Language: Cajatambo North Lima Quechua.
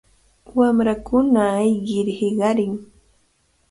Wamrakuna ayqir hiqarin.